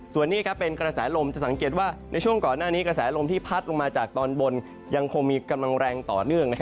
ส่วนนี้เป็นกระแสลมจะสังเกตว่าในช่วงก่อนหน้านี้กระแสลมที่พัดลงมาจากตอนบนยังคงมีกำลังแรงต่อเนื่อง